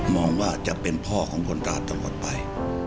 องว่าจะเป็นพ่อของคนตาตลอดไป